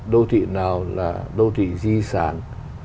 đô thị nào là đô thị di sản